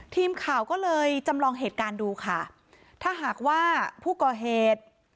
ทีมข่าวก็เลยจำลองเหตุการณ์ดูค่ะถ้าหากว่าผู้ก่อเหตุ